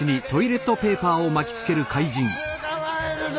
つかまえるぞ。